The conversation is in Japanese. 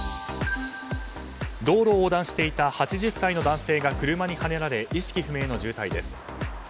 道路を横断していた８０歳の男性が車にはねられ意識不明の重体です。